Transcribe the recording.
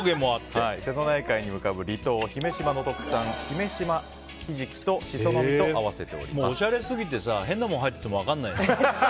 瀬戸内海に向かう離島姫島の名産、姫島ひじきとおしゃれすぎてて変なもの入っていても分からないよね。